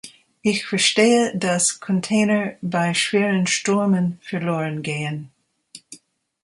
Ich verstehe, dass Container bei schweren Stürmen verloren gehen.